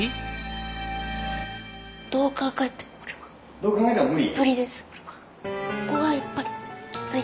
「どう考えても無理」？